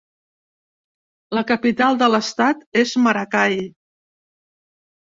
La capital de l'estat és Maracay.